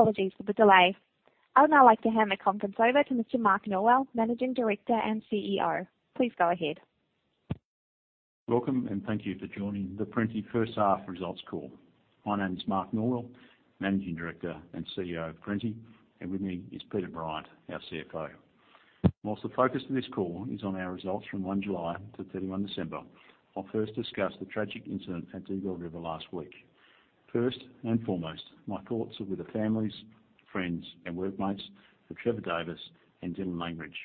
Apologies for the delay. I would now like to hand the conference over to Mr. Mark Norwell, Managing Director and CEO. Please go ahead. Welcome, thank you for joining the Perenti First Half Rresults Call. My name is Mark Norwell, Managing Director and CEO of Perenti, and with me is Peter Bryant, our CFO. Whilst the focus of this call is on our results from 1 July to 31 December, I'll first discuss the tragic incident at Dugald River last week. First and foremost, my thoughts are with the families, friends, and workmates of Trevor Davis and Dylan Langridge,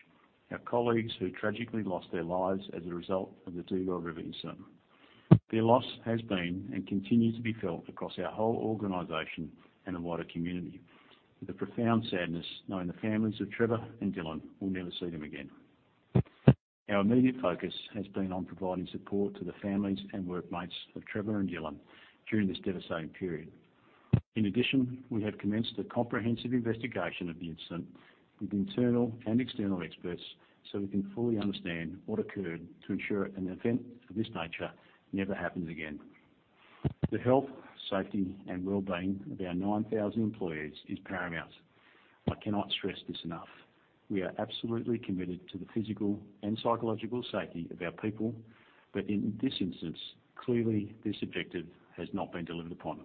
our colleagues who tragically lost their lives as a result of the Dugald River incident. Their loss has been and continues to be felt across our whole organization and the wider community, with the profound sadness knowing the families of Trevor and Dylan will never see them again. Our immediate focus has been on providing support to the families and workmates of Trevor and Dylan during this devastating period. In addition, we have commenced a comprehensive investigation of the incident with internal and external experts, so we can fully understand what occurred to ensure an event of this nature never happens again. The health, safety, and well-being of our 9,000 employees is paramount. I cannot stress this enough. We are absolutely committed to the physical and psychological safety of our people. In this instance, clearly this objective has not been delivered upon,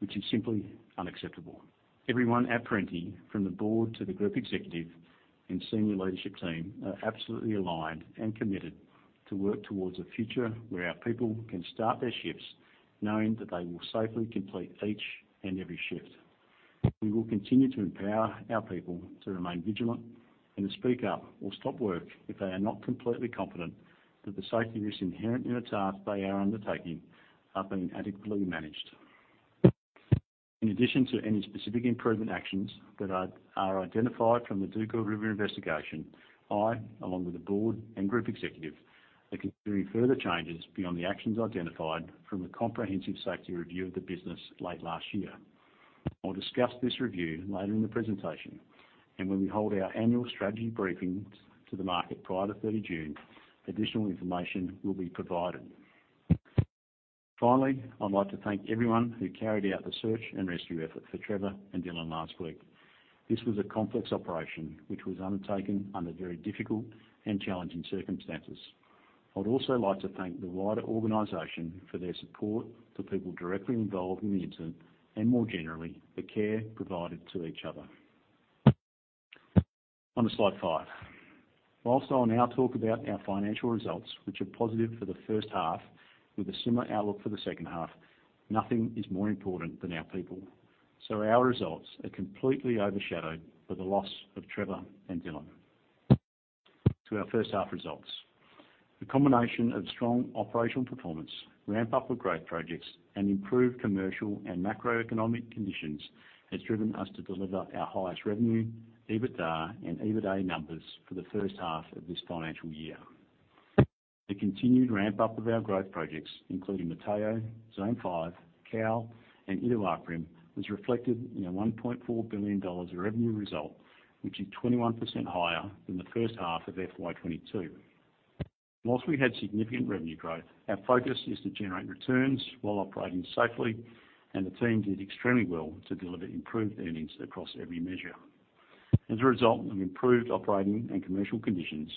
which is simply unacceptable. Everyone at Perenti, from the board to the group executive and senior leadership team, are absolutely aligned and committed to work towards a future where our people can start their shifts knowing that they will safely complete each and every shift. We will continue to empower our people to remain vigilant and to speak up or stop work if they are not completely confident that the safety risks inherent in a task they are undertaking are being adequately managed. In addition to any specific improvement actions that are identified from the Dugald River investigation, I, along with the board and group executive, are considering further changes beyond the actions identified from the comprehensive safety review of the business late last year. I'll discuss this review later in the presentation. When we hold our annual strategy briefings to the market prior to 30 June, additional information will be provided. Finally, I'd like to thank everyone who carried out the search and rescue effort for Trevor and Dylan last week. This was a complex operation which was undertaken under very difficult and challenging circumstances. I would also like to thank the wider organization for their support to people directly involved in the incident and more generally, the care provided to each other. On to slide five. Whilst I'll now talk about our financial results, which are positive for the first half with a similar outlook for the second half, nothing is more important than our people, so our results are completely overshadowed by the loss of Trevor and Dylan. To our first half results. The combination of strong operational performance, ramp up of growth projects, and improved commercial and macroeconomic conditions has driven us to deliver our highest revenue, EBITDA and EBITA numbers for the first half of this financial year. The continued ramp up of our growth projects, including Motheo, Zone Five, Cowal, and Iduapriem, was reflected in a $1.4 billion revenue result, which is 21% higher than the first half of FY 2022. While we had significant revenue growth, our focus is to generate returns while operating safely, and the team did extremely well to deliver improved earnings across every measure. As a result of improved operating and commercial conditions,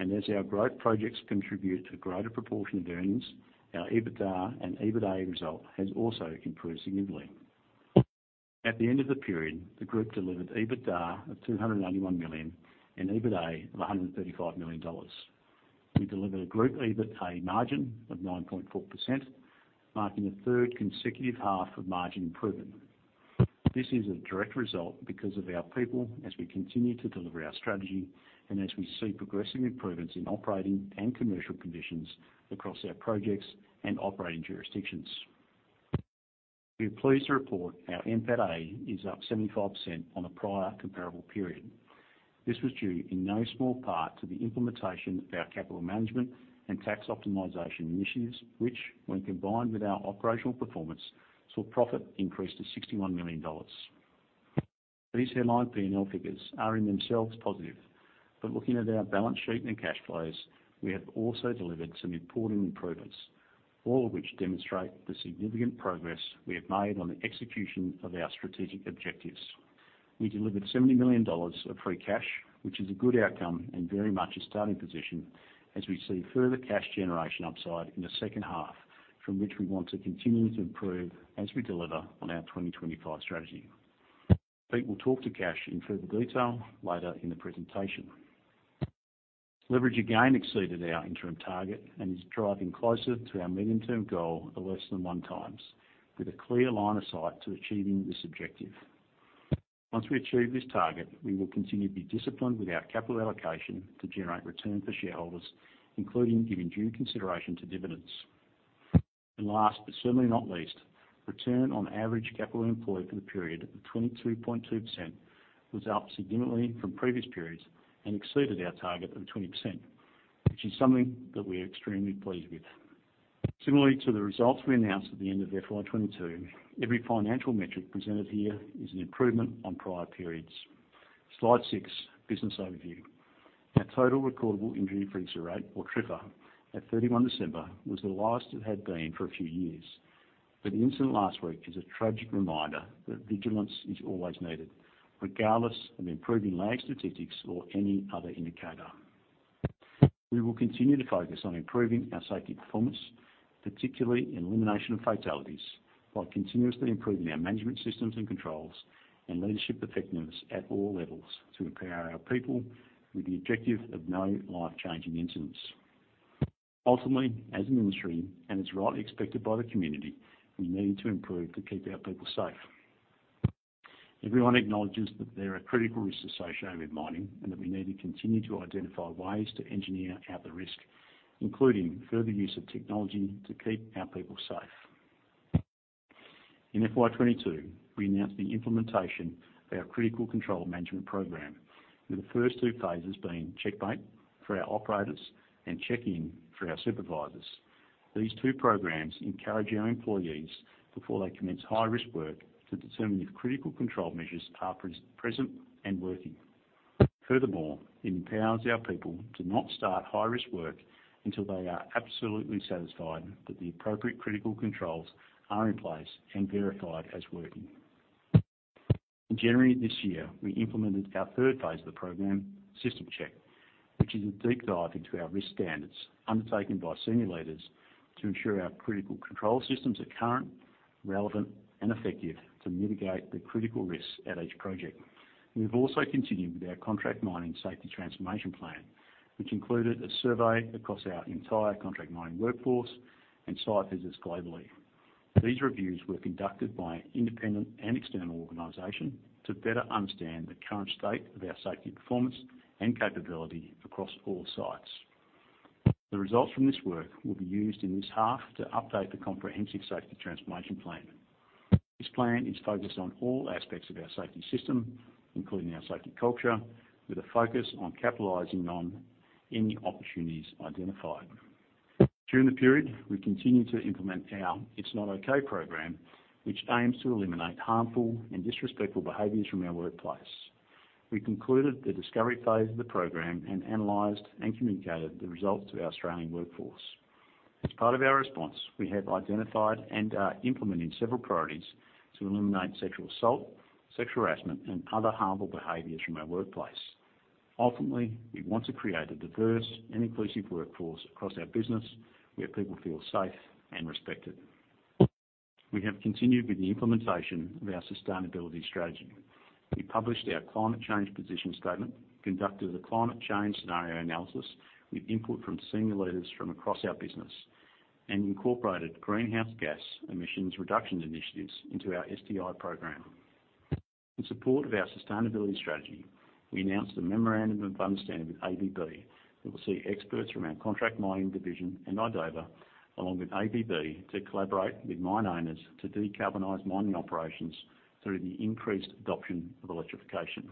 as our growth projects contribute to a greater proportion of earnings, our EBITDA and EBITA result has also improved significantly. At the end of the period, the group delivered EBITDA of 281 million and EBITA of 135 million dollars. We delivered a group EBITA margin of 9.4%, marking the third consecutive half of margin improvement. This is a direct result because of our people as we continue to deliver our strategy and as we see progressive improvements in operating and commercial conditions across our projects and operating jurisdictions. We're pleased to report our NPATA is up 75% on the prior comparable period. This was due in no small part to the implementation of our capital management and tax optimization initiatives, which when combined with our operational performance, saw profit increase to 61 million dollars. These headline P&L figures are in themselves positive, but looking at our balance sheet and cash flows, we have also delivered some important improvements, all of which demonstrate the significant progress we have made on the execution of our strategic objectives. We delivered 70 million dollars of free cash, which is a good outcome and very much a starting position as we see further cash generation upside in the second half from which we want to continue to improve as we deliver on our 2025 strategy. Pete will talk to cash in further detail later in the presentation. Leverage again exceeded our interim target and is driving closer to our medium-term goal of less than 1 times with a clear line of sight to achieving this objective. Once we achieve this target, we will continue to be disciplined with our capital allocation to generate return for shareholders, including giving due consideration to dividends. Last but certainly not least, Return on Average Capital Employed for the period of 22.2% was up significantly from previous periods and exceeded our target of 20%, which is something that we are extremely pleased with. Similarly to the results we announced at the end of FY 2022, every financial metric presented here is an improvement on prior periods. Slide six, business overview. Our total recordable injury frequency rate, or TRIFR, at 31 December, was the lowest it had been for a few years. The incident last week is a tragic reminder that vigilance is always needed, regardless of improving lag statistics or any other indicator. We will continue to focus on improving our safety performance, particularly in elimination of fatalities, while continuously improving our management systems and controls, and leadership effectiveness at all levels to empower our people with the objective of no life-changing incidents. Ultimately, as an industry, and it's rightly expected by the community, we need to improve to keep our people safe. Everyone acknowledges that there are critical risks associated with mining, and that we need to continue to identify ways to engineer out the risk, including further use of technology to keep our people safe. In FY 2022, we announced the implementation of our critical control management program, with the first two phases being CHECKMATE for our operators and check-in for our supervisors. These two programs encourage our employees, before they commence high-risk work, to determine if critical control measures are present and working. Furthermore, it empowers our people to not start high-risk work until they are absolutely satisfied that the appropriate critical controls are in place and verified as working. In January this year, we implemented our third phase of the program, System Check, which is a deep dive into our risk standards undertaken by senior leaders to ensure our critical control systems are current, relevant, and effective to mitigate the critical risks at each project. We've also continued with our Contract Mining Safety Transformation Plan, which included a survey across our entire contract mining workforce and site visits globally. These reviews were conducted by an independent and external organization to better understand the current state of our safety performance and capability across all sites. The results from this work will be used in this half to update the comprehensive Safety Transformation Plan. This plan is focused on all aspects of our safety system, including our safety culture, with a focus on capitalizing on any opportunities identified. During the period, we continued to implement our It's Not Okay program, which aims to eliminate harmful and disrespectful behaviors from our workplace. We concluded the discovery phase of the program and analyzed and communicated the results to our Australian workforce. As part of our response, we have identified and are implementing several priorities to eliminate sexual assault, sexual harassment, and other harmful behaviors from our workplace. Ultimately, we want to create a diverse and inclusive workforce across our business where people feel safe and respected. We have continued with the implementation of our sustainability strategy. We published our climate change position statement, conducted a climate change scenario analysis with input from senior leaders from across our business, and incorporated greenhouse gas emissions reductions initiatives into our SDI program. In support of our sustainability strategy, we announced a memorandum of understanding with ABB that will see experts from our contract mining division and idoba, along with ABB, to collaborate with mine owners to decarbonize mining operations through the increased adoption of electrification.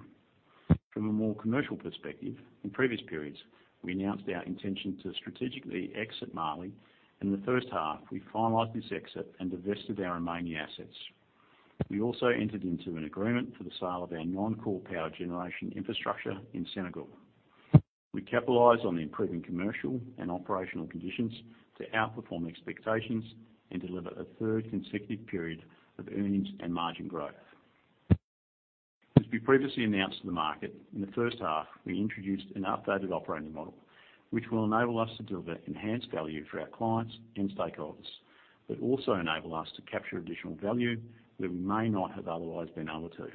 From a more commercial perspective, in previous periods, we announced our intention to strategically exit Mali, and in the first half, we finalized this exit and divested our remaining assets. We also entered into an agreement for the sale of our non-core power generation infrastructure in Senegal. We capitalized on the improving commercial and operational conditions to outperform expectations and deliver a third consecutive period of earnings and margin growth. As we previously announced to the market, in the first half, we introduced an updated operating model which will enable us to deliver enhanced value for our clients and stakeholders, but also enable us to capture additional value that we may not have otherwise been able to.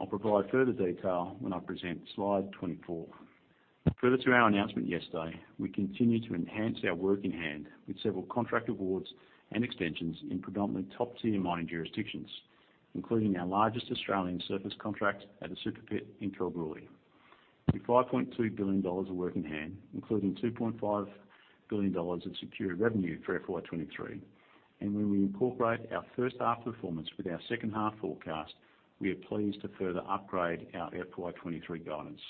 I'll provide further detail when I present slide 24. Further to our announcement yesterday, we continue to enhance our work in hand with several contract awards and extensions in predominantly top-tier mining jurisdictions, including our largest Australian surface contract at the Super Pit in Pilbara, with 5.2 billion dollars of work in hand, including 2.5 billion dollars of secured revenue for FY 2023. When we incorporate our first half performance with our second half forecast, we are pleased to further upgrade our FY 2023 guidance.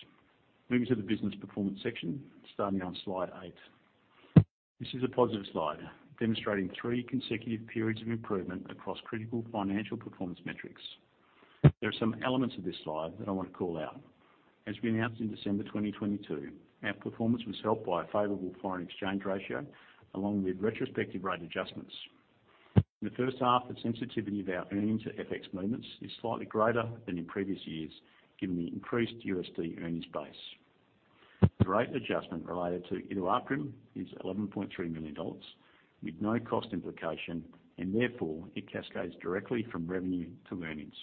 Moving to the business performance section, starting on slide eight. This is a positive slide demonstrating three consecutive periods of improvement across critical financial performance metrics. There are some elements of this slide that I want to call out. As we announced in December 2022, our performance was helped by a favorable foreign exchange ratio along with retrospective rate adjustments. In the first half, the sensitivity of our earnings to FX movements is slightly greater than in previous years, given the increased USD earnings base. The rate adjustment related to Iduapriem is AUD 11.3 million with no cost implication, and therefore, it cascades directly from revenue to earnings.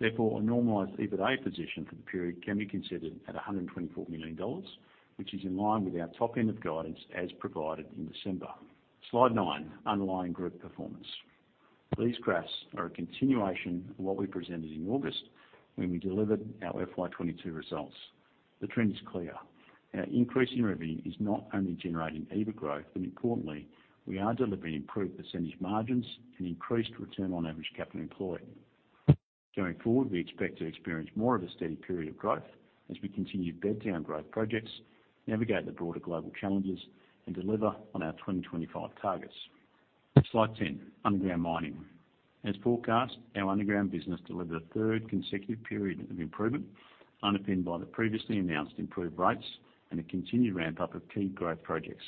A normalized EBITA position for the period can be considered at 124 million dollars, which is in line with our top end of guidance as provided in December. Slide nine, underlying group performance. These graphs are a continuation of what we presented in August when we delivered our FY 2022 results. The trend is clear. Our increase in revenue is not only generating EBIT growth, but importantly, we are delivering improved percentage margins and increased Return on Average Capital Employed. Going forward, we expect to experience more of a steady period of growth as we continue to bed down growth projects, navigate the broader global challenges, and deliver on our 2025 targets. Slide 10, underground mining. As forecast, our underground business delivered a third consecutive period of improvement, underpinned by the previously announced improved rates and a continued ramp-up of key growth projects,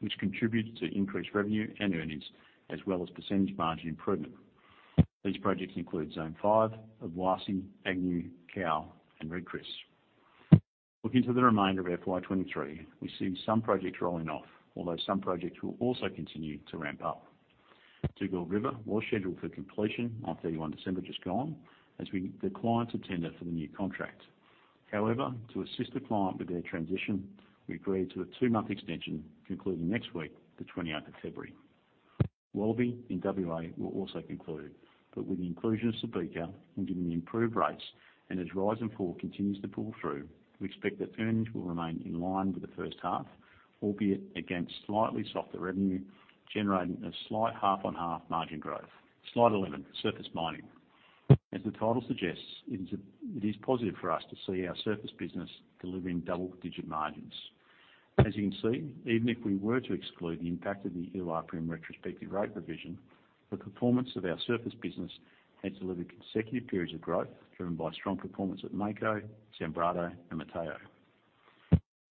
which contributed to increased revenue and earnings as well as percentage margin improvement. These projects include Zone five, Iwasi, Agnew, Cowal, and Red Chris. Looking to the remainder of FY 2023, we see some projects rolling off, although some projects will also continue to ramp up. Dugald River was scheduled for completion on 31 December just gone, the clients attended for the new contract. To assist the client with their transition, we agreed to a two-month extension concluding next week, the 28th of February. Walvis in WA will also conclude, with the inclusion of Sepeka and given the improved rates, as rise and fall continues to pull through, we expect that earnings will remain in line with the first half, albeit against slightly softer revenue, generating a slight half-on-half margin growth. Slide 11, surface mining. As the title suggests, it is positive for us to see our surface business delivering double-digit margins. As you can see, even if we were to exclude the impact of the Illipim retrospective rate revision, the performance of our surface business has delivered consecutive periods of growth, driven by strong performance at Mako, Zambrano, and Motheo.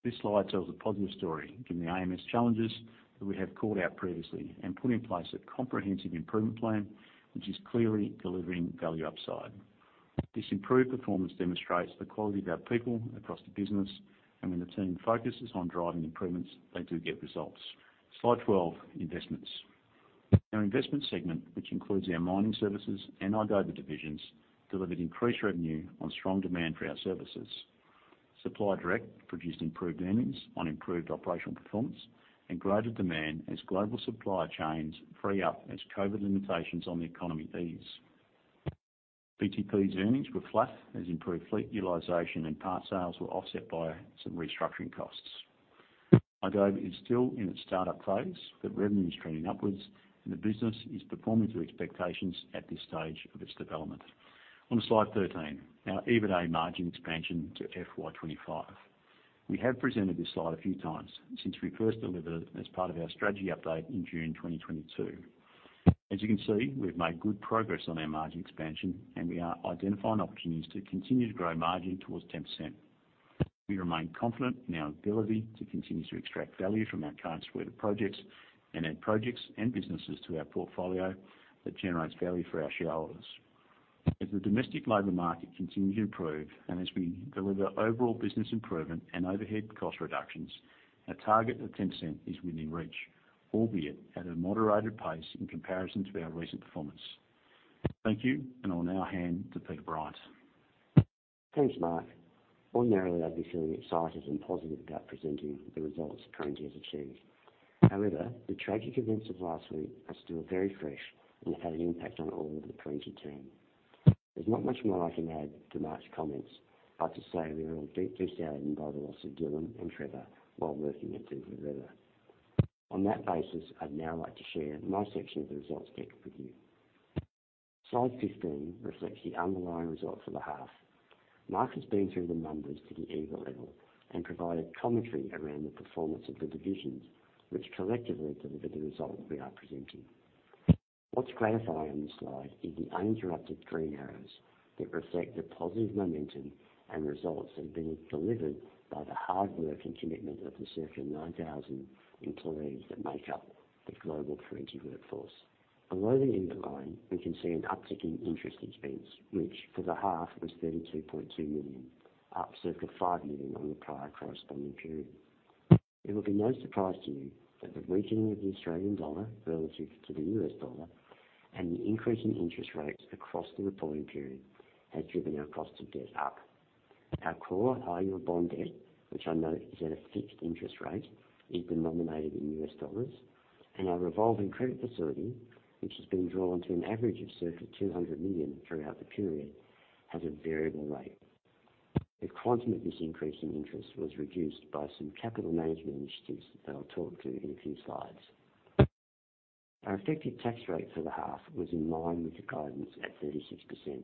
This slide tells a positive story, given the AMS challenges that we have called out previously and put in place a comprehensive improvement plan, which is clearly delivering value upside. This improved performance demonstrates the quality of our people across the business, and when the team focuses on driving improvements, they do get results. Slide 12, investments. Our investment segment, which includes our mining services and idoba divisions, delivered increased revenue on strong demand for our services. Supply Direct produced improved earnings on improved operational performance and greater demand as global supply chains free up as COVID limitations on the economy ease. BTP's earnings were flat as improved fleet utilization and part sales were offset by some restructuring costs. idoba is still in its startup phase, but revenue is trending upwards, and the business is performing to expectations at this stage of its development. On to slide 13, our EBITA margin expansion to FY2025. We have presented this slide a few times since we first delivered it as part of our strategy update in June 2022. As you can see, we've made good progress on our margin expansion, and we are identifying opportunities to continue to grow margin towards 10%. We remain confident in our ability to continue to extract value from our current suite of projects and add projects and businesses to our portfolio that generates value for our shareholders. As the domestic labor market continues to improve and as we deliver overall business improvement and overhead cost reductions, our target of 0.10 is within reach, albeit at a moderated pace in comparison to our recent performance. Thank you, and I'll now hand to Peter Bryant. Thanks, Mark. Ordinarily, I'd be feeling excited and positive about presenting the results Perenti has achieved. However, the tragic events of last week are still very fresh and had an impact on all of the Perenti team. There's not much more I can add to Mark's comments, but to say we are all deeply saddened by the loss of Dylan and Trevor while working at Dugald River. On that basis, I'd now like to share my section of the results deck with you. Slide 15 reflects the underlying result for the half. Mark has been through the numbers to the EBITDA level and provided commentary around the performance of the divisions, which collectively deliver the result we are presenting. What's gratifying on this slide is the uninterrupted green arrows that reflect the positive momentum and results that have been delivered by the hard work and commitment of the circa 9,000 employees that make up the global Perenti workforce. Below the income line, we can see an uptick in interest expense, which for the half was 32.2 million, up circa 5 million on the prior corresponding period. It will be no surprise to you that the weakening of the Australian dollar relative to the US dollar and the increase in interest rates across the reporting period has driven our cost of debt up. Our core high-yield bonds debt, which I know is at a fixed interest rate, is denominated in US dollars, and our revolving credit facility, which has been drawn to an average of circa 200 million throughout the period, has a variable rate. The quantum of this increase in interest was reduced by some capital management initiatives that I'll talk to in a few slides. Our effective tax rate for the half was in line with the guidance at 36%.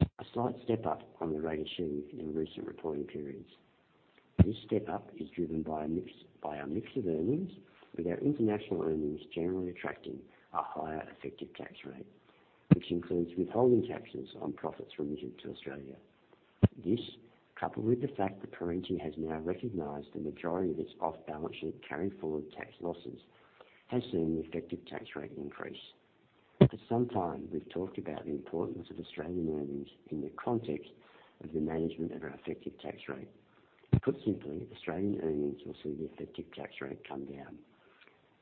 A slight step up on the rate achieved in recent reporting periods. This step up is driven by a mix, by our mix of earnings, with our international earnings generally attracting a higher effective tax rate, which includes withholding taxes on profits remitted to Australia. This, coupled with the fact that Perenti has now recognized the majority of its off-balance-sheet carry-forward tax losses, has seen the effective tax rate increase. For some time, we've talked about the importance of Australian earnings in the context of the management of our effective tax rate. Put simply, Australian earnings will see the effective tax rate come down.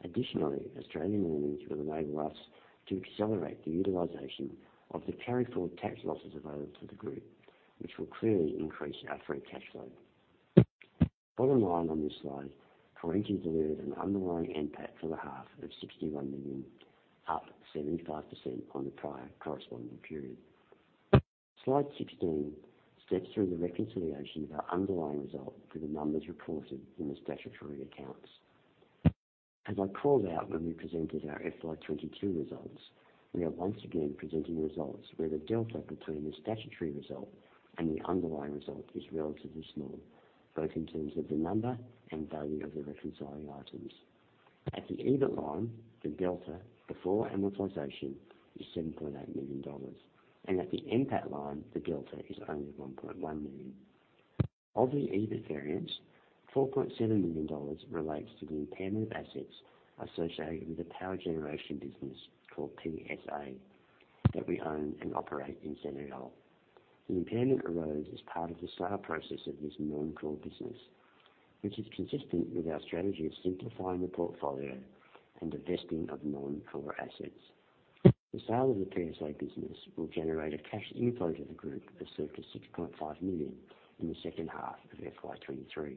Additionally, Australian earnings will enable us to accelerate the utilization of the carry-forward tax losses available to the group, which will clearly increase our free cash flow. Bottom line on this slide, Perenti delivered an underlying NPAT for the half of 61 million, up 75% on the prior corresponding period. Slide 16 steps through the reconciliation of our underlying result for the numbers reported in the statutory accounts. As I called out when we presented our FY 2022 results, we are once again presenting results where the delta between the statutory result and the underlying result is relatively small, both in terms of the number and value of the reconciling items. At the EBIT line, the delta before amortization is 7.8 million dollars. At the NPAT line, the delta is only 1.1 million. Of the EBIT variance, $4.7 million relates to the impairment of assets associated with the power generation business called PSA that we own and operate in Senegal. The impairment arose as part of the sale process of this non-core business, which is consistent with our strategy of simplifying the portfolio and divesting of non-core assets. The sale of the PSA business will generate a cash inflow to the group of circa $6.5 million in the second half of FY 2023.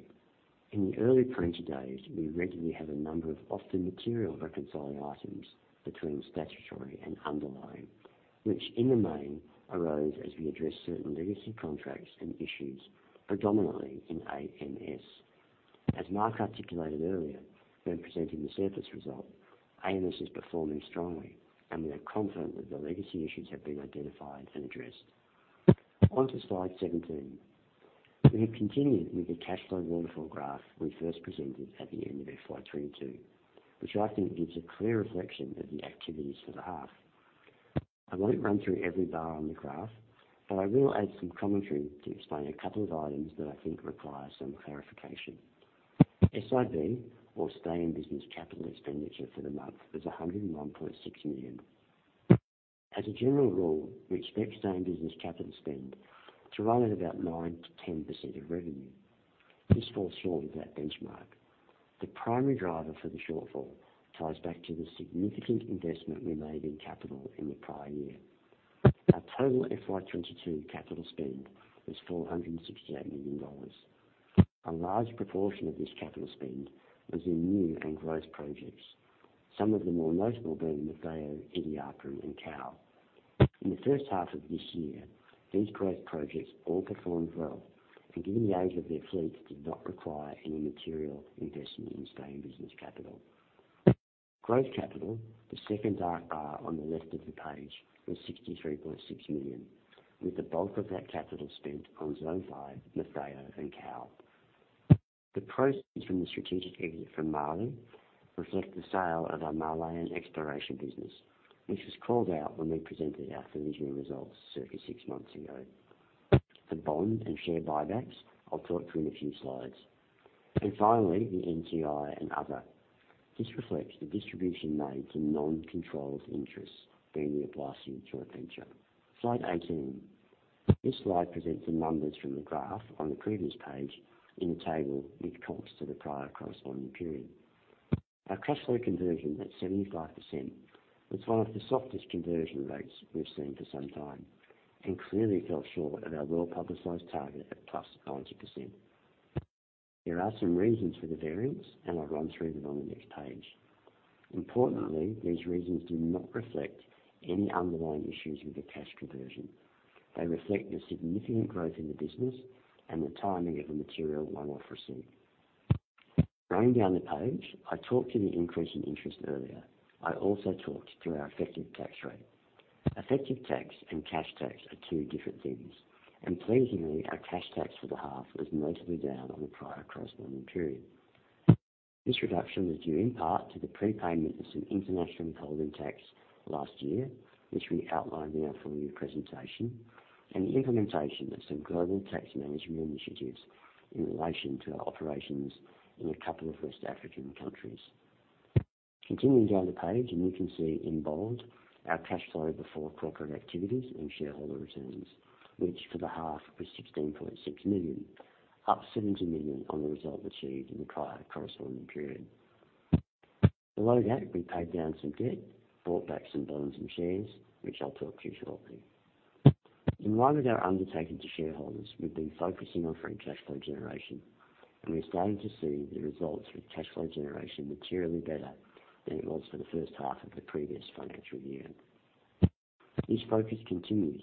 In the early Perenti days, we regularly have a number of often material reconciling items between statutory and underlying, which in the main arose as we address certain legacy contracts and issues predominantly in AMS. As Mark articulated earlier when presenting the surface result, AMS is performing strongly and we are confident that the legacy issues have been identified and addressed. Onto slide 17. We have continued with the cash flow waterfall graph we first presented at the end of FY2022, which I think gives a clear reflection of the activities for the half. I won't run through every bar on the graph, but I will add some commentary to explain a couple of items that I think require some clarification. SIB or stay in business capital expenditure for the month was 101.6 million. As a general rule, we expect stay in business capital spend to run at about 9%-10% of revenue. This falls short of that benchmark. The primary driver for the shortfall ties back to the significant investment we made in capital in the prior year. Our total FY2022 capital spend was 468 million dollars. A large proportion of this capital spend was in new and growth projects, some of the more notable being Mufako, Subika, and Kau. In the first half of this year, these growth projects all performed well, and given the age of their fleets, did not require any material investment in stay in business capital. Growth capital, the second dark bar on the left of the page, was 63.6 million, with the bulk of that capital spent on Zone five, Mufako, and Kau. The proceeds from the strategic exit from Mali reflect the sale of our Malian exploration business, which was called out when we presented our preliminary results circa six months ago. For bond and share buybacks, I'll talk through in a few slides. Finally, the NCI and other. This reflects the distribution made to non-controlled interests during the Appian joint venture. Slide 18. This slide presents the numbers from the graph on the previous page in a table with comps to the prior corresponding period. Our cash flow conversion at 75% was one of the softest conversion rates we've seen for some time and clearly fell short of our well-publicized target at +90%. There are some reasons for the variance. I'll run through them on the next page. Importantly, these reasons do not reflect any underlying issues with the cash conversion. They reflect the significant growth in the business and the timing of the material one-off receipt. Going down the page, I talked to the increase in interest earlier. I also talked to our effective tax rate. Effective tax and cash tax are two different things, and pleasingly, our cash tax for the half was notably down on the prior corresponding period. This reduction was due in part to the prepayment of some international withholding tax last year, which we outlined in our full year presentation, and the implementation of some global tax management initiatives in relation to our operations in a couple of West African countries. Continuing down the page, you can see in bold our cash flow before corporate activities and shareholder returns, which for the half was 16.6 million, up 17 million on the result achieved in the prior corresponding period. Below that, we paid down some debt, bought back some bonds and shares, which I'll talk to you shortly. In line with our undertaking to shareholders, we've been focusing on free cash flow generation, and we're starting to see the results with cash flow generation materially better than it was for the first half of the previous financial year. This focus continues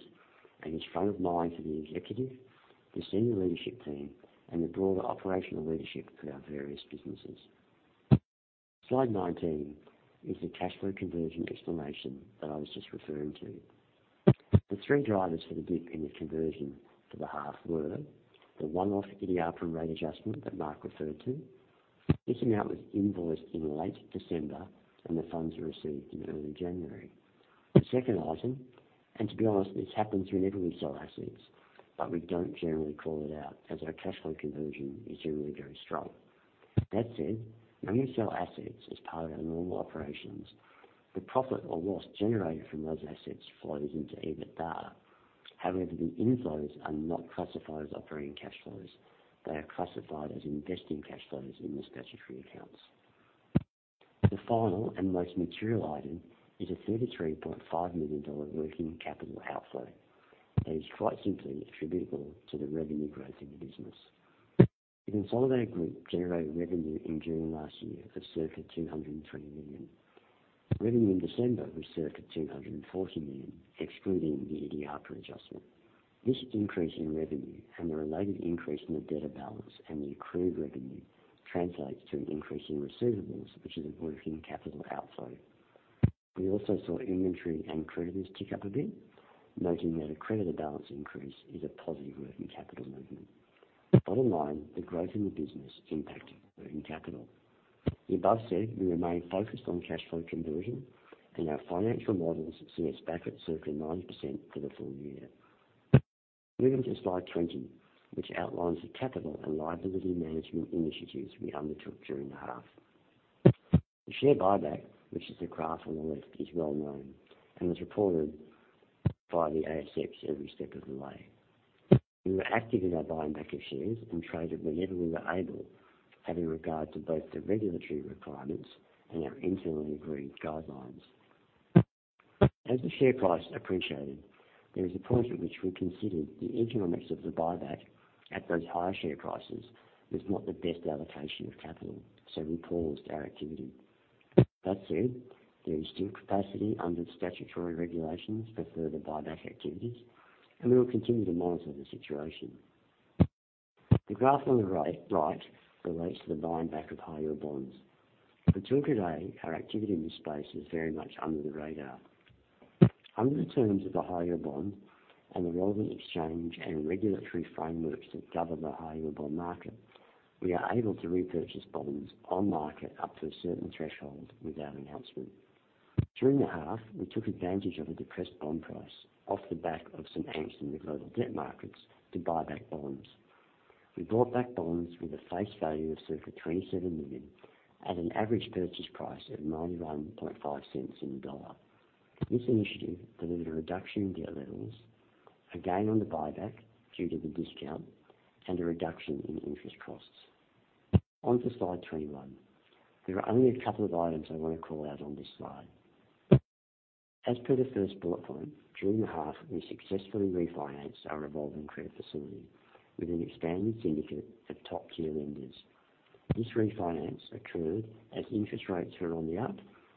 and is front of mind for the executive, the senior leadership team, and the broader operational leadership for our various businesses. Slide 19 is the cash flow conversion explanation that I was just referring to. The three drivers for the dip in the conversion for the half were the one-off Subika rate adjustment that Mark referred to. This amount was invoiced in late December, and the funds were received in early January. To be honest, this happens whenever we sell assets, but we don't generally call it out as our cash flow conversion is usually very strong. That said, when we sell assets as part of our normal operations, the profit or loss generated from those assets flows into EBITDA. However, the inflows are not classified as operating cash flows. They are classified as investing cash flows in the statutory accounts. The final and most material item is a 33.5 million dollar working capital outflow that is quite simply attributable to the revenue growth in the business. The consolidated group generated revenue in June last year of circa 220 million. Revenue in December was circa 240 million, excluding the Subika adjustment. This increase in revenue and the related increase in the debtor balance and the accrued revenue translates to an increase in receivables, which is a working capital outflow. We also saw inventory and creditors tick up a bit, noting that a creditor balance increase is a positive working capital movement. Bottom line, the growth in the business impacted working capital. The above said, we remain focused on cash flow conversion and our financial models see us back at circa 90% for the full year. Moving to slide 20, which outlines the capital and liability management initiatives we undertook during the half. The share buyback, which is the graph on the left, is well-known and was reported by the ASX every step of the way. We were active in our buying back of shares and traded whenever we were able, having regard to both the regulatory requirements and our internally agreed guidelines. As the share price appreciated, there was a point at which we considered the economics of the buyback at those higher share prices was not the best allocation of capital, so we paused our activity. That said, there is still capacity under statutory regulations for further buyback activities, and we will continue to monitor the situation. The graph on the right relates to the buying back of higher bonds. Till today, our activity in this space is very much under the radar. Under the terms of the high-yield bonds and the relevant exchange and regulatory frameworks that govern the high-yield bonds market, we are able to repurchase bonds on market up to a certain threshold without announcement. During the half, we took advantage of a depressed bond price off the back of some angst in the global debt markets to buy back bonds. We bought back bonds with a face value of circa 27 million at an average purchase price of 0.915. This initiative delivered a reduction in debt levels, a gain on the buyback due to the discount, and a reduction in interest costs. On to slide 21. There are only a couple of items I want to call out on this slide. As per the first bullet point, during the half we successfully refinanced our revolving credit facility with an expanded syndicate of top-tier lenders. This refinance occurred as interest rates were on the up,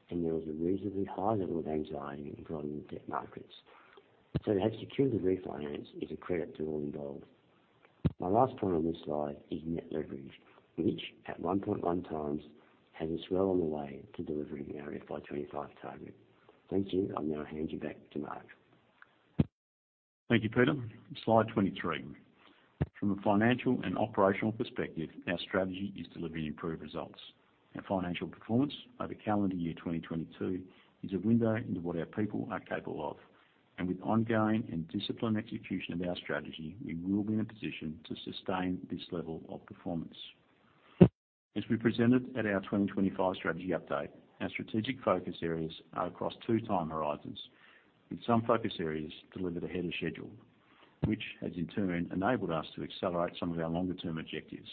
and there was a reasonably high level of anxiety in foreign debt markets. To have secured the refinance is a credit to all involved. My last point on this slide is net leverage, which at 1.1x has us well on the way to delivering our FY 2025 target. Thank you. I'll now hand you back to Mark. Thank you, Peter. Slide 23. From a financial and operational perspective, our strategy is delivering improved results. Our financial performance over calendar year 2022 is a window into what our people are capable of, and with ongoing and disciplined execution of our strategy, we will be in a position to sustain this level of performance. As we presented at our 2025 strategy update, our strategic focus areas are across two time horizons, with some focus areas delivered ahead of schedule, which has in turn enabled us to accelerate some of our longer-term objectives.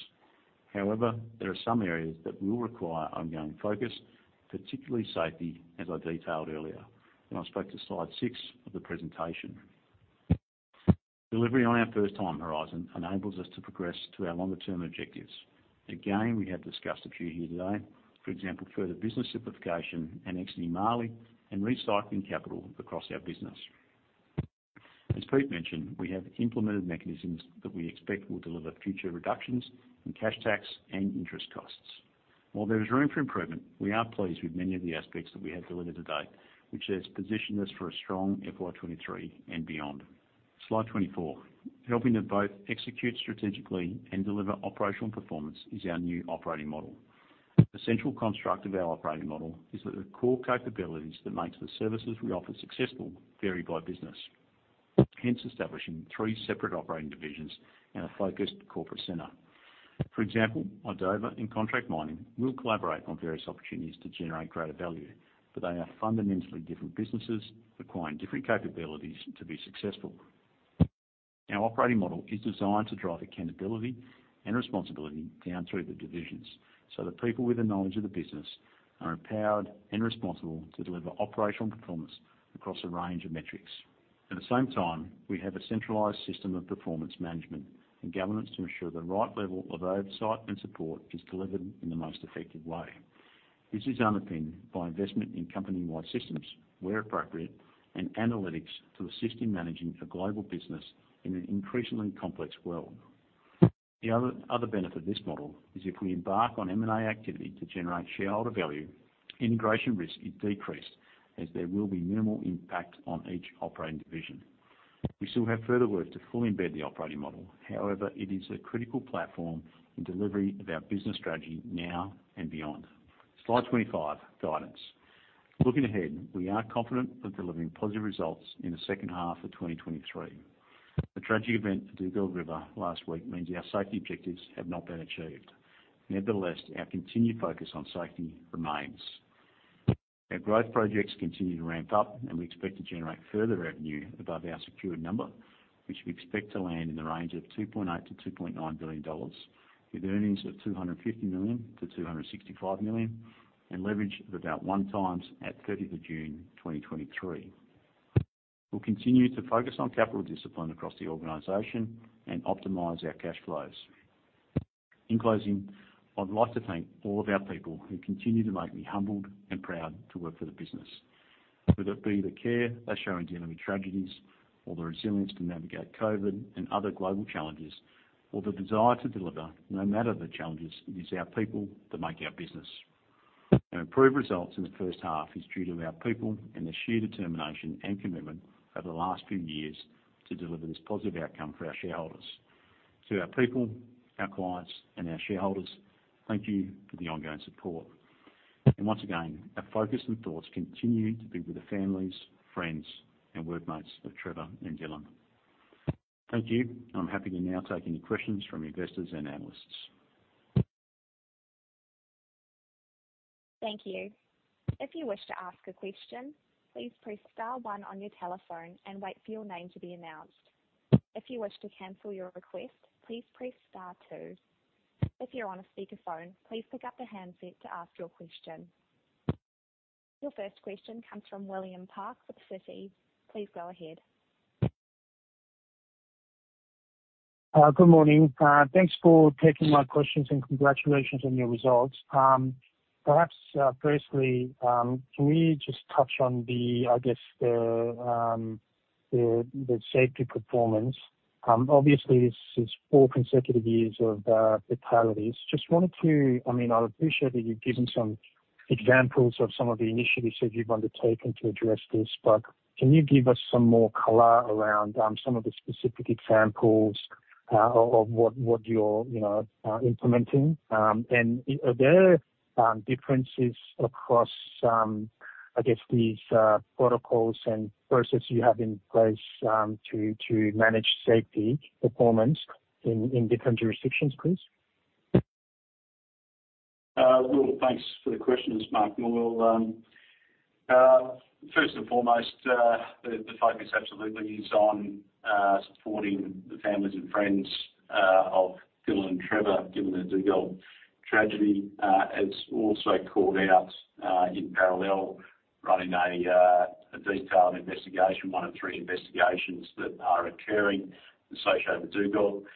However, there are some areas that will require ongoing focus, particularly safety, as I detailed earlier when I spoke to slide six of the presentation. Delivery on our first time horizon enables us to progress to our longer term objectives. Again, we have discussed a few here today. For example, further business simplification and exiting Mali and recycling capital across our business. As Pete mentioned, we have implemented mechanisms that we expect will deliver future reductions in cash tax and interest costs. While there is room for improvement, we are pleased with many of the aspects that we have delivered to date, which has positioned us for a strong FY 2023 and beyond. Slide 24. Helping to both execute strategically and deliver operational performance is our new operating model. The central construct of our operating model is that the core capabilities that makes the services we offer successful vary by business, hence establishing three separate operating divisions and a focused corporate center. For example, idoba and Contract Mining will collaborate on various opportunities to generate greater value, but they are fundamentally different businesses requiring different capabilities to be successful. Our operating model is designed to drive accountability and responsibility down through the divisions, so the people with the knowledge of the business are empowered and responsible to deliver operational performance across a range of metrics. At the same time, we have a centralized system of performance management and governance to ensure the right level of oversight and support is delivered in the most effective way. This is underpinned by investment in company-wide systems where appropriate and analytics to assist in managing a global business in an increasingly complex world. The other benefit of this model is if we embark on M&A activity to generate shareholder value, integration risk is decreased as there will be minimal impact on each operating division. We still have further work to fully embed the operating model. However, it is a critical platform in delivery of our business strategy now and beyond. Slide 25, guidance. Looking ahead, we are confident of delivering positive results in the second half of 2023. The tragic event at Dugald River last week means our safety objectives have not been achieved. Nevertheless, our continued focus on safety remains. Our growth projects continue to ramp up, and we expect to generate further revenue above our secured number, which we expect to land in the range of 2.8 billion-2.9 billion dollars, with earnings of 250 million-265 million, and leverage of about 1x at 30th of June 2023. We'll continue to focus on capital discipline across the organization and optimize our cash flows. In closing, I'd like to thank all of our people who continue to make me humbled and proud to work for the business. Whether it be the care they show in dealing with tragedies, or the resilience to navigate COVID and other global challenges, or the desire to deliver, no matter the challenges, it is our people that make our business. Our improved results in the first half is due to our people and their sheer determination and commitment over the last few years to deliver this positive outcome for our shareholders. To our people, our clients and our shareholders, thank you for the ongoing support. Once again, our focus and thoughts continue to be with the families, friends and workmates of Trevor and Dylan. Thank you. I'm happy to now take any questions from investors and analysts. Thank you. If you wish to ask a question, please press star one on your telephone and wait for your name to be announced. If you wish to cancel your request, please press star two. If you're on a speakerphone, please pick up the handset to ask your question. Your first question comes from William Park with Citi. Please go ahead. Good morning. Thanks for taking my questions and congratulations on your results. Perhaps, firstly, can we just touch on the safety performance? Obviously this is four consecutive years of fatalities. I mean, I appreciate that you've given some examples of some of the initiatives that you've undertaken to address this. Can you give us some more color around some of the specific examples of what you're, you know, implementing? Are there differences across these protocols and processes you have in place to manage safety performance in different jurisdictions, please? Will, thanks for the question. It's Mark Norwell. First and foremost, the focus absolutely is on supporting the families and friends of Dylan and Trevor, given the Dugald River tragedy. It's also called out in parallel, running a detailed investigation, one of three investigations that are occurring associated with Dugald River.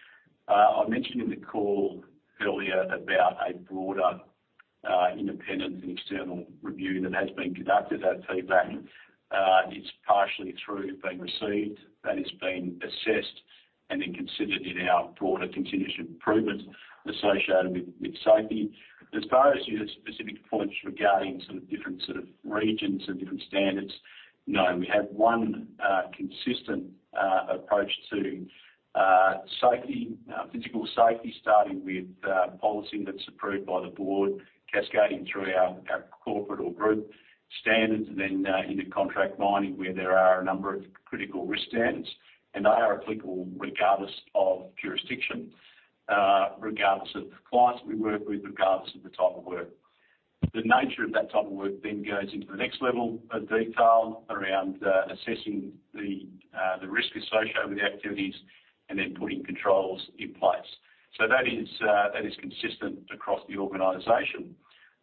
I mentioned in the call earlier about a broader, independent and external review that has been conducted at T-Vac. It's partially through being received, that it's being assessed and then considered in our broader continuous improvement associated with safety. As far as your specific points regarding sort of different sort of regions and different standards. No, we have one consistent approach to safety, physical safety, starting with policy that's approved by the board, cascading through our corporate or group standards. Into contract mining where there are a number of critical risk standards, and they are applicable regardless of jurisdiction, regardless of the clients we work with, regardless of the type of work. The nature of that type of work then goes into the next level of detail around assessing the the risk associated with the activities and then putting controls in place. That is, that is consistent across the organization.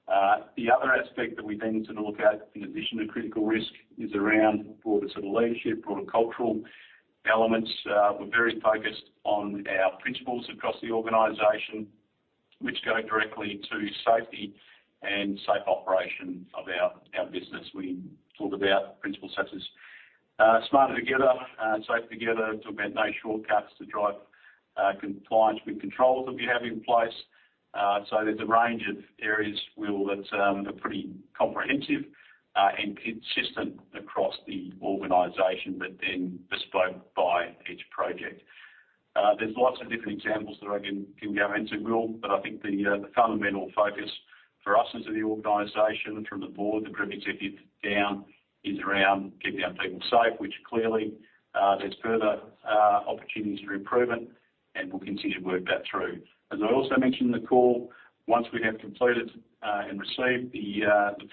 The other aspect that we then need to look at in addition to critical risk is around broader sort of leadership, broader cultural elements. We're very focused on our principles across the organization, which go directly to safety and safe operation of our business. We talked about principles such as smarter together, safe together. We talked about no shortcuts to drive compliance with controls that we have in place. There's a range of areas, Will, that are pretty comprehensive and consistent across the organization, bespoke by each project. There's lots of different examples that I can go into, Will, I think the fundamental focus for us as the organization from the board, the group executive down is around keeping our people safe, which clearly there's further opportunities for improvement and we'll continue to work that through. As I also mentioned in the call, once we have completed and received the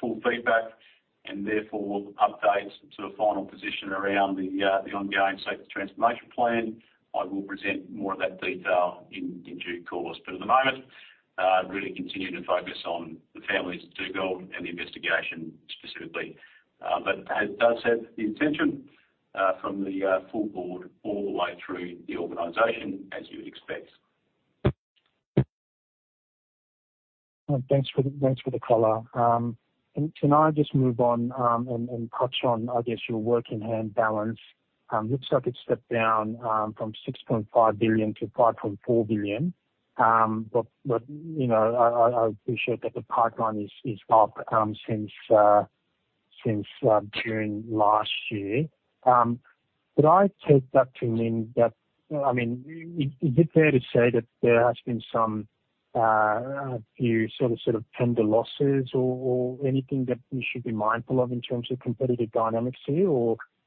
full feedback and therefore update to a final position around the ongoing safety transformation plan, I will present more of that detail in due course. At the moment, really continue to focus on the families at Dugald River and the investigation specifically. As does have the attention, from the full board all the way through the organization as you would expect. Thanks for the color. Can I just move on and touch on, I guess your work in hand balance? Looks like it's stepped down from 6.5 billion to 5.4 billion. You know, I appreciate that the pipeline is up since June last year. Did I take that to mean that... I mean, is it fair to say that there has been some a few sort of tender losses or anything that we should be mindful of in terms of competitive dynamics here?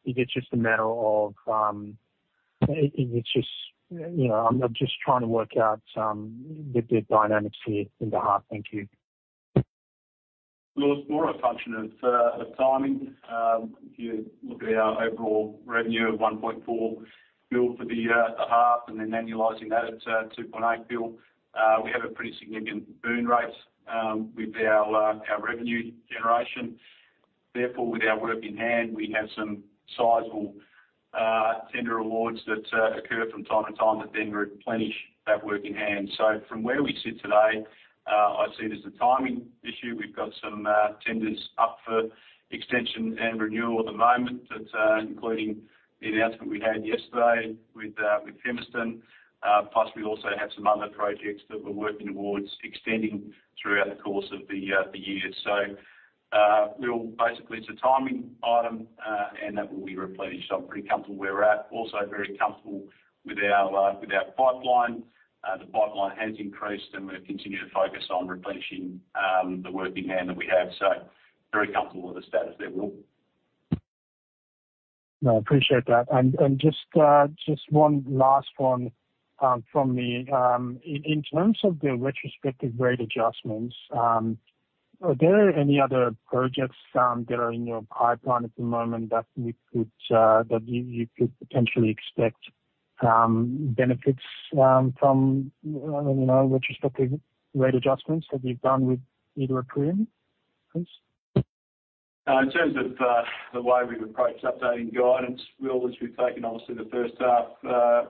Is it just a matter of, it's just, you know, I'm just trying to work out some with the dynamics here in the heart. Thank you. Well, it's more a function of timing. If you look at our overall revenue of 1.4 billion for the half and then annualizing that at 2.8 billion, we have a pretty significant burn rate with our revenue generation. Therefore, with our work in hand, we have some sizable tender awards that occur from time to time that then replenish that work in hand. From where we sit today, I see it as a timing issue. We've got some tenders up for extension and renewal at the moment that, including the announcement we had yesterday with Fimiston. Plus we also have some other projects that we're working towards extending throughout the course of the year. We'll basically it's a timing item, and that will be replenished. I'm pretty comfortable where we're at. Very comfortable with our, with our pipeline. The pipeline has increased, and we're continuing to focus on replenishing, the work in hand that we have. Very comfortable with the status there, Will. No, I appreciate that. Just one last one from me. In terms of the retrospective rate adjustments, are there any other projects that are in your pipeline at the moment that we could that you could potentially expect benefits from, you know, retrospective rate adjustments that you've done with either of Perenti? Thanks. In terms of the way we've approached updating guidance, Will, is we've taken obviously the first half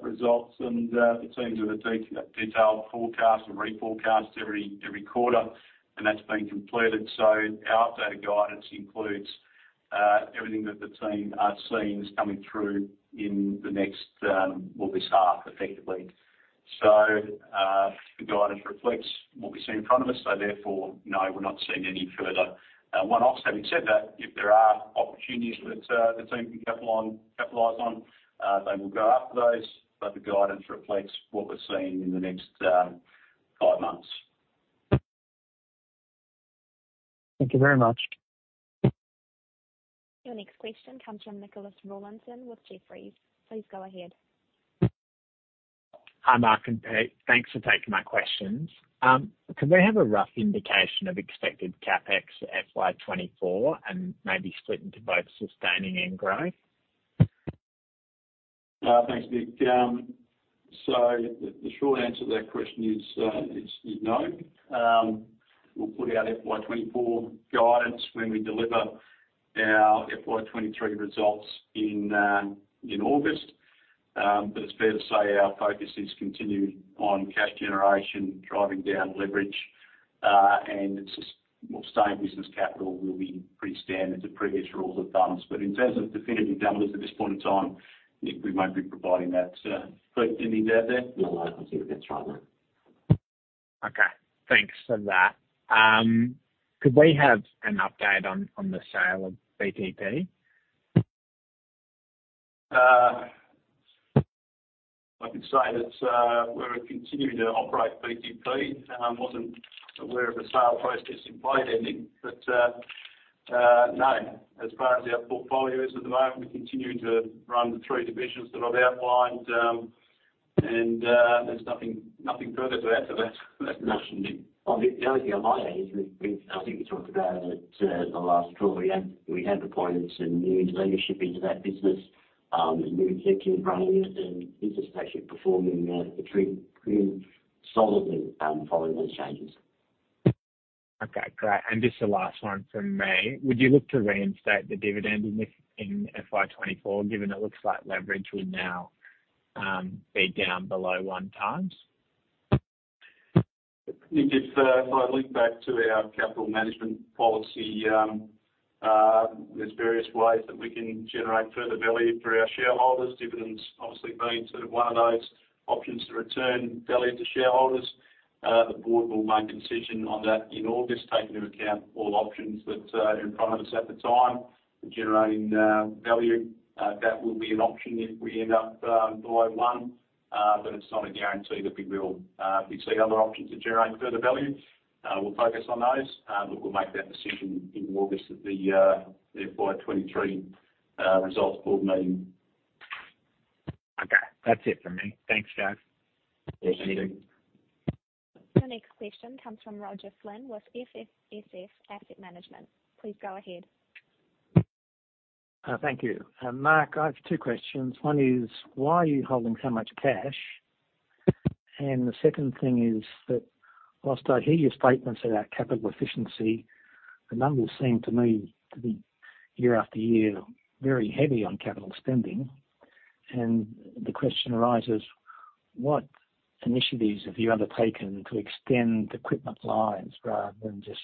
results, and the teams with a detailed forecast and reforecast every quarter, and that's been completed. Our updated guidance includes everything that the team are seeing is coming through in the next, well, this half, effectively. The guidance reflects what we see in front of us. Therefore, no, we're not seeing any further one-offs. Having said that, if there are opportunities that the team can capitalize on, they will go after those, but the guidance reflects what we're seeing in the next five months. Thank you very much. Your next question comes from Nicholas Rawlinson with Jefferies. Please go ahead. Hi, Mark and Pete. Thanks for taking my questions. Could we have a rough indication of expected CapEx FY 2024 and maybe split into both sustaining and growth? Thanks, Nick. The short answer to that question is no. We'll put out FY 2024 guidance when we deliver our FY 2023 results in August. It's fair to say our focus is continued on cash generation, driving down leverage, and well, same business capital will be pretty standard to previous rules of thumb. In terms of definitive numbers at this point in time, Nick, we won't be providing that. Peter, anything to add there? No, I think that's right, Nick. Okay. Thanks for that. Could we have an update on the sale of BTP? I can say that we're continuing to operate BTP. Wasn't aware of a sale process in play there, Nick. No. As far as our portfolio is at the moment, we're continuing to run the three divisions that I've outlined. There's nothing further to add to that question, Nick. The only thing I'll add is we've I think we talked about it at the last call. We have appointed some new leadership into that business, a new team running it, and it's actually performing pretty solidly following those changes. Okay, great. Just the last one from me. Would you look to reinstate the dividend in FY 2024, given it looks like leverage would now be down below 1 times? Nick, if I look back to our capital management policy, there's various ways that we can generate further value for our shareholders. Dividends obviously being sort of one of those options to return value to shareholders. The board will make a decision on that in August, taking into account all options that are in front of us at the time for generating value. That will be an option if we end up below one. It's not a guarantee that we will. If we see other options to generate further value, we'll focus on those. We'll make that decision in August at the FY23 results board meeting. Okay. That's it from me. Thanks, guys. Thank you. Thank you. Your next question comes from Roger Flynn with FSS Asset Management. Please go ahead. Thank you. Mark, I have two questions. One is, why are you holding so much cash? The second thing is that whilst I hear your statements about capital efficiency, the numbers seem to me to be year after year, very heavy on capital spending. The question arises: What initiatives have you undertaken to extend equipment lives rather than just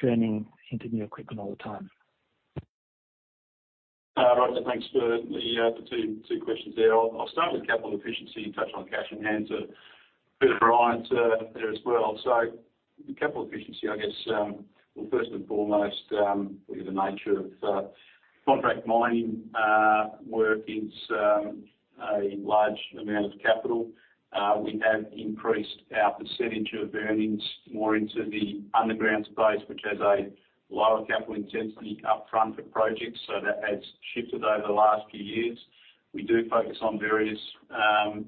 churning into new equipment all the time? Roger, thanks for the two questions there. I'll start with capital efficiency and touch on cash on hand. A bit of variety there as well. Capital efficiency, I guess, well, first and foremost, look at the nature of contract mining. Work is a large amount of capital. We have increased our percentage of earnings more into the underground space, which has a lower capital intensity up front for projects. That has shifted over the last few years. We do focus on various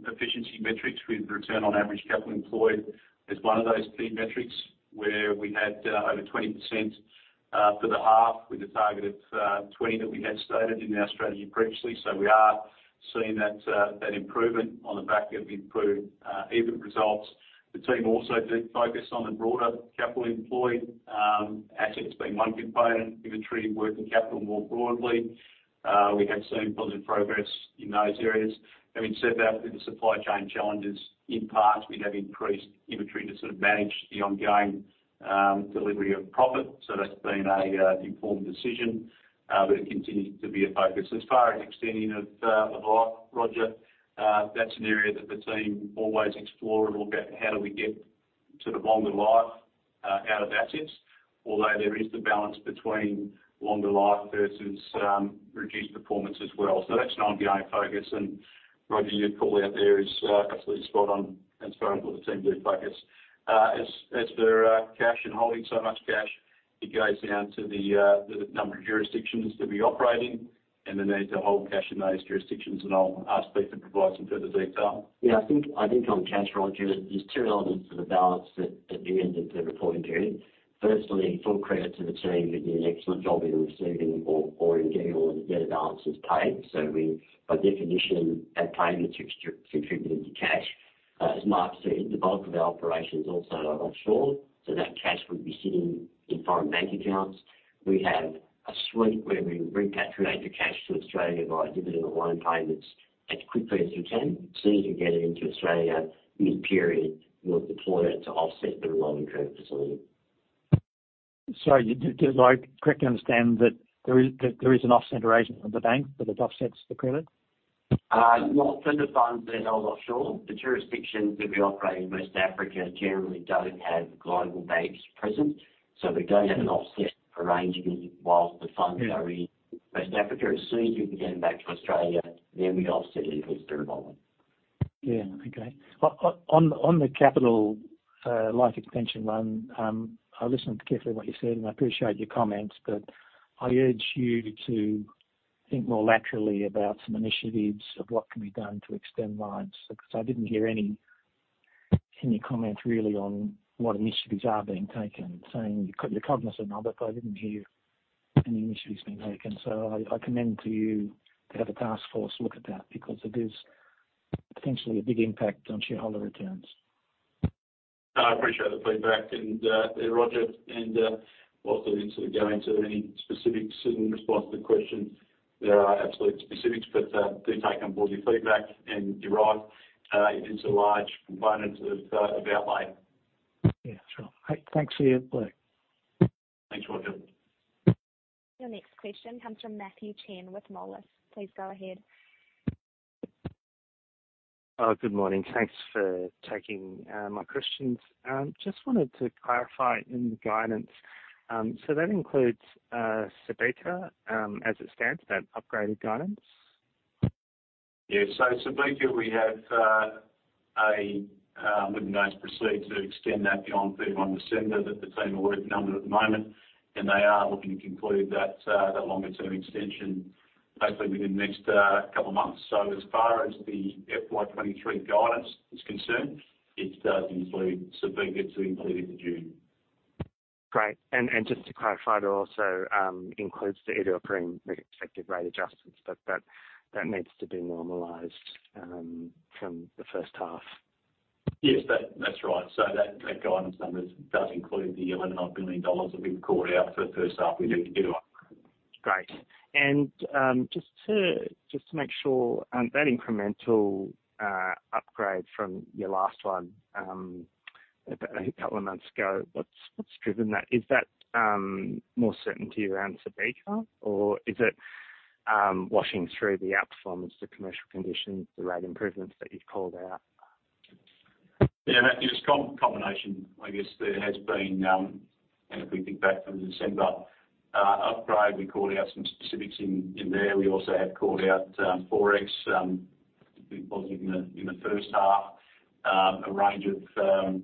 efficiency metrics with Return on Average Capital Employed is one of those key metrics where we had over 20% for the half with a target of 20 that we had stated in our strategy previously. We are seeing that improvement on the back of improved EBIT results. The team also do focus on the broader capital employed, assets being one component, inventory, working capital more broadly. We have seen positive progress in those areas. Having said that, with the supply chain challenges, in part, we have increased inventory to sort of manage the ongoing delivery of profit. That's been a, informed decision, but it continues to be a focus. As far as extending of life, Roger, that's an area that the team always explore and look at how do we get sort of longer life, out of assets. Although there is the balance between longer life versus, reduced performance as well. That's an ongoing focus, and Roger, your call out there is, absolutely spot on as far as what the team do focus. As for cash and holding so much cash, it goes down to the number of jurisdictions that we operate in and the need to hold cash in those jurisdictions. I'll ask Pete to provide some further detail. Yeah, I think on cash, Roger Flynn, there's two elements to the balance at the end of the reporting period. Firstly, full credit to the team who did an excellent job in receiving or in getting all of the debtor balances paid. We, by definition, add payments which contributed to cash. As Mark Norwell said, the bulk of our operations also are offshore, that cash would be sitting in foreign bank accounts. We have a sweep where we repatriate the cash to Australia via dividend or loan payments as quickly as we can. As soon as we get it into Australia mid-period, we'll deploy it to offset the revolving credit facility. Sorry, do I correctly understand that there is an offset arrangement with the bank that offsets the credit? Well, for the funds that are held offshore, the jurisdictions that we operate in West Africa generally don't have global banks present. We don't have an offset arrangement whilst the funds are in West Africa. As soon as we can get them back to Australia, we offset it with the revolver. Yeah. Okay. On the capital, life extension one, I listened carefully to what you said, and I appreciate your comments, but I urge you to think more laterally about some initiatives of what can be done to extend lives. I didn't hear any comment really on what initiatives are being taken, saying you're cognizant of it, but I didn't hear any initiatives being taken. I commend to you to have a task force look at that because it is potentially a big impact on shareholder returns. I appreciate the feedback and, Roger, and, while I didn't sort of go into any specifics in response to the question, there are absolute specifics. Do take on board your feedback, and you're right, it is a large component of our life. Yeah, sure. Hey, thanks for your input. Thanks, Roger. Your next question comes from Mitch Ryan with Jefferies. Please go ahead. Good morning. Thanks for taking my questions. Just wanted to clarify in the guidance, so that includes Subika, as it stands, that upgraded guidance? Yeah. Subika, we have a, we've announced proceed to extend that beyond 31 December, that the team are working on it at the moment, and they are looking to conclude that longer term extension hopefully within the next couple of months. As far as the FY 2023 guidance is concerned, it does include Subika to include into June. Great. Just to clarify, it also includes the Iduapriem expected rate adjustments, but that needs to be normalized from the first half. Yes. That's right. That guidance number does include the AUD 1.1 billion that we've called out for the first half with idoba. Great. just to make sure, that incremental upgrade from your last one, a couple of months ago, what's driven that? Is that more certainty around Subika or is it washing through the outperformance, the commercial conditions, the rate improvements that you've called out? Yeah. That is combination. I guess there has been, and if we think back to the December upgrade, we called out some specifics in there. We also have called out Forex to be positive in the first half, a range of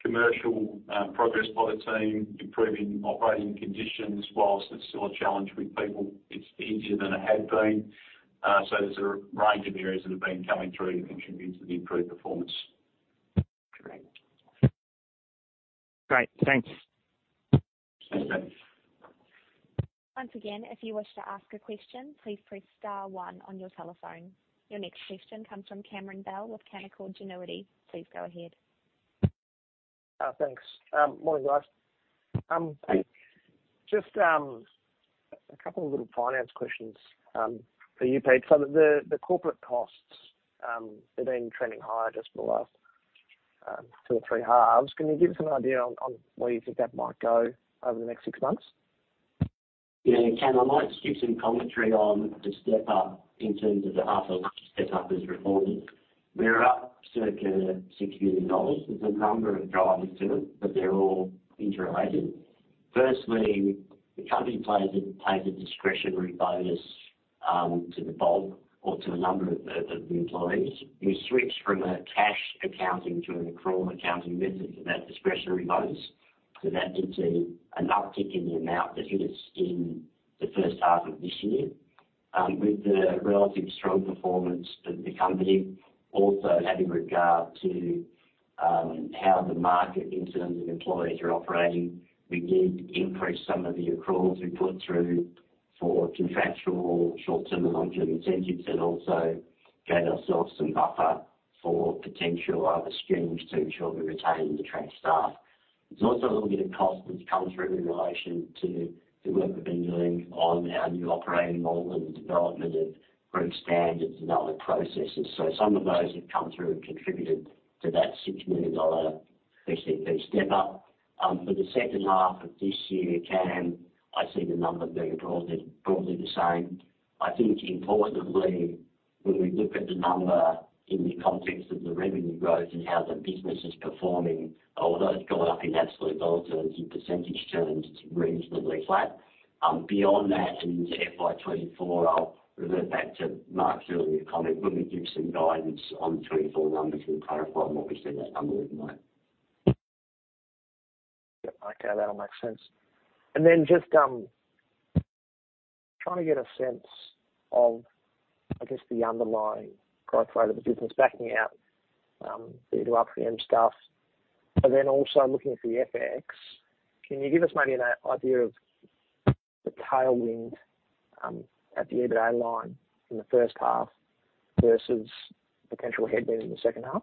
commercial progress by the team, improving operating conditions. Whilst it's still a challenge with people, it's easier than it had been. There's a range of areas that have been coming through to contribute to the improved performance. Great. Great. Thanks. Thanks, Mitch. Once again, if you wish to ask a question, please press star one on your telephone. Your next question comes from Cameron Bell with Canaccord Genuity. Please go ahead. Thanks. Morning, guys. Just a couple of little finance questions for you, Peter. The corporate costs have been trending higher just for the last two or three halves. Can you give us an idea on where you think that might go over the next six months? Cam, I might skip some commentary on the step-up in terms of the half or step-up as reported. We're up circa 60 million dollars. There's a number of drivers to it. They're all interrelated. Firstly, the company pays a discretionary bonus to the board or to a number of the employees. We switched from cash Accounting to an accrual accounting method for that discretionary bonus. That did see an uptick in the amount that hit us in the first half of this year. With the relative strong performance of the company, also having regard to how the market in terms of employees are operating, we did increase some of the accruals we put through for contractual short-term and long-term incentives, and also gave ourselves some buffer for potential other strings to ensure we retain and attract staff. There's also a little bit of cost that's come through in relation to the work we've been doing on our new operating model and development of group standards and other processes. Some of those have come through and contributed to that 6 million dollar PCP step up. For the second half of this year, Cam, I see the number being broadly the same. I think importantly, when we look at the number in the context of the revenue growth and how the business is performing, although it's gone up in absolute dollar terms, in percentage terms, it's reasonably flat. Beyond that and into FY 2024, I'll revert back to Mark's earlier comment when we give some guidance on 2024 numbers. We'll clarify more when we send that number in the note. Yep. Okay, that all makes sense. Just trying to get a sense of, I guess the underlying growth rate of the business backing out the upfront stuff, but then also looking at the FX. Can you give us maybe an idea of the tailwind at the EBITDA line in the first half versus potential headwind in the second half?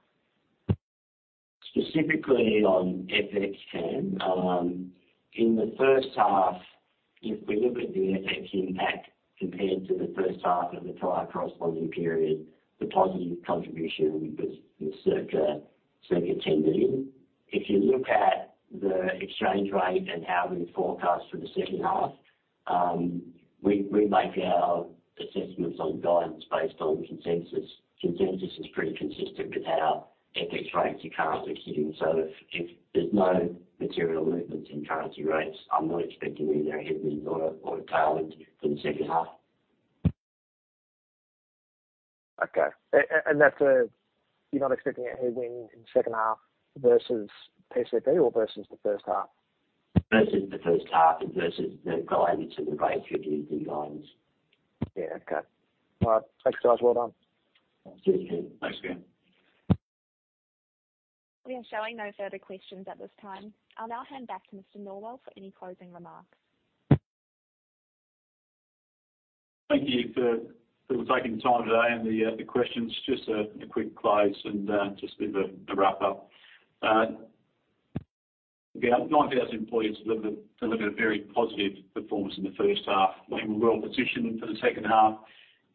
Specifically on FX, Cam. In the first half, if we look at the FX impact compared to the first half of the prior corresponding period, the positive contribution was circa 10 million. If you look at the exchange rate and how we forecast for the second half, we make our assessments on guidance based on consensus. Consensus is pretty consistent with how FX rates are currently sitting. If there's no material movements in currency rates, I'm not expecting either a headwind or a tailwind for the second half. Okay. You're not expecting a headwind in the second half versus PCP or versus the first half? Versus the first half and versus the guidance that we gave to the guidance. Yeah. Okay. All right. Thanks, guys. Well done. Cheers, Cam. Thanks, Cam. We are showing no further questions at this time. I'll now hand back to Mr. Norwell for any closing remarks. Thank you for taking the time today and the questions. Just a quick close and just a bit of a wrap up. Again, 9,000 employees delivered a very positive performance in the first half. We were well positioned for the second half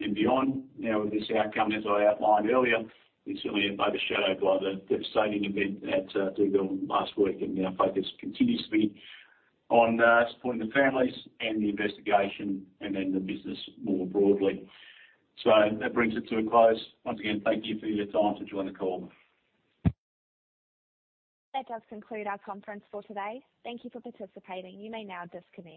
and beyond. Now with this outcome, as I outlined earlier, it's certainly overshadowed by the devastating event at Dugald River last week, and our focus continues to be on supporting the families and the investigation and then the business more broadly. That brings it to a close. Once again, thank you for your time to join the call. That does conclude our conference for today. Thank you for participating. You may now disconnect.